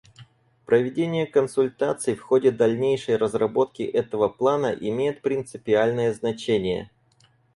Проведение консультаций в ходе дальнейшей разработки этого плана имеет принципиальное значение.